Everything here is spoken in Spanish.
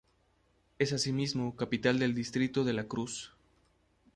Es asimismo capital del distrito de La Cruz.